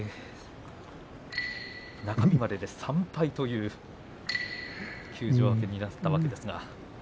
中日までで３敗という休場明けになったわけですが。